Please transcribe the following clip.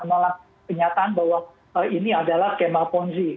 malah kenyataan bahwa ini adalah kemah ponzi